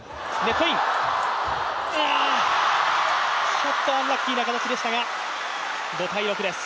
ちょっとアンラッキーな形でしたが。